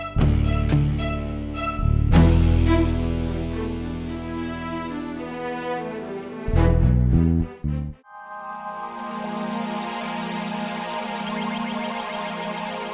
nah makasih pak sembunyi